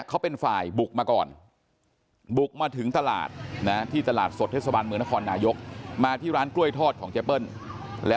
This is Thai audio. แล้วเสร็จแล้วน้องน้องของผู้กรณีน้องของร้านทางเนี่ย